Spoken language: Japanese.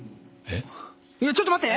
いやちょっと待って！